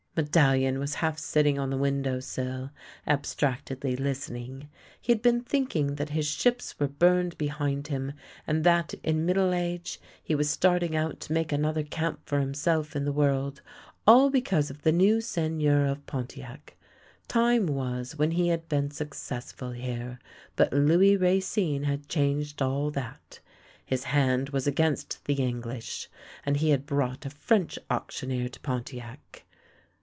" Medallion was half sitting on the window sill, ab stractedly listening. He had been thinking that his ships were burned behind him and that in middle age he was starting out to make another camp for himself in the world, all because of the new Seigneur of Pontiac. Time was when he had been successful here, but Louis Racine had changed all that. His hand was against the English, and he had brought a French auctioneer to Pontiac.